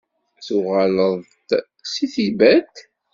Tuɣaleḍ-d seg Tibet?